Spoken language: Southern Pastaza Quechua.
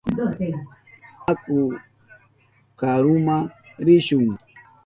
Aku karuma rishun.